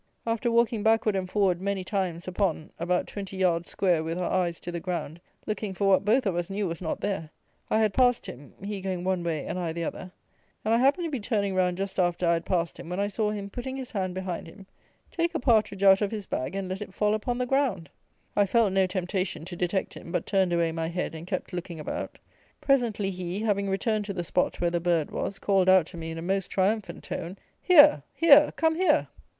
After walking backward and forward many times upon about twenty yards square with our eyes to the ground, looking for what both of us knew was not there, I had passed him (he going one way and I the other), and I happened to be turning round just after I had passed him, when I saw him, putting his hand behind him, take a partridge out of his bag and let it fall upon the ground! I felt no temptation to detect him, but turned away my head, and kept looking about. Presently he, having returned to the spot where the bird was, called out to me, in a most triumphant tone; "Here! here! Come here!"